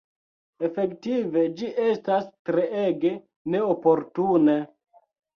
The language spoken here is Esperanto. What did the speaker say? Efektive, ĝi estas treege neoportune!